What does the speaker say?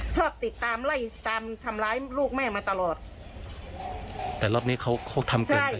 ชอบติดตามไล่ตามทำร้ายลูกแม่มาตลอดแต่รอบนี้เขาเขาทำเกินไป